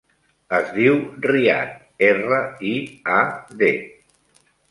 Es diu Riad: erra, i, a, de.